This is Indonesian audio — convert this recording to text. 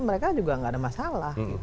mereka juga nggak ada masalah